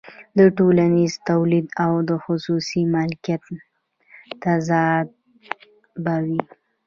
د ټولنیز تولید او خصوصي مالکیت تضاد به وي